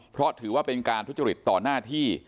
เพราะถือว่าเป็นการทุจริตต่อหน้าที่